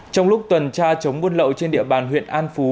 trong lúc tuần tra chống buôn lậu trên địa bàn huyện an phú